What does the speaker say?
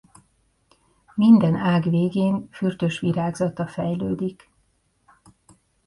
Minden ág végén fürtös virágzata fejlődik.